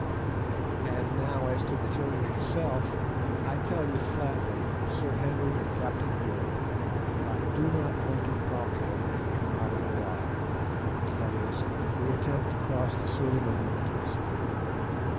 "And now as to the journey itself, I tell you flatly, Sir Henry and Captain Good, that I do not think it probable we can come out of it alive, that is, if we attempt to cross the Suliman Mountains.